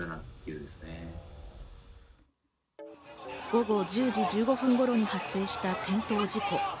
午後１０時１５分頃に発生した転倒事故。